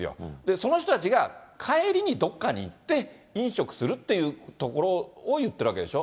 その人たちが帰りにどっかに行って、飲食するっていうところを言ってるわけでしょ。